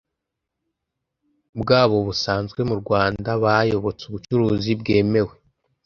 bwabo busanzwe mu Rwanda Bayobotse ubucuruzi bwemewe